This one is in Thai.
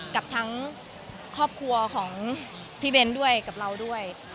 กับทั้งครอบครัวของพี่เบ้นด้วยกับเราด้วย